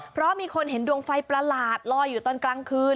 เพราะมีคนเห็นดวงไฟประหลาดลอยอยู่ตอนกลางคืน